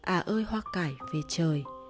à ơi hoa cải về trời